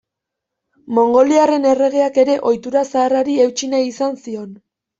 Mongoliarren erregeak ere ohitura zaharrari eutsi nahi izan zion.